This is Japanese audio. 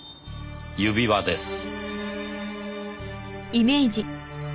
「指輪です」